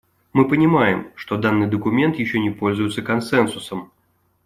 Мы понимаем, что данный документ еще не пользуется консенсусом.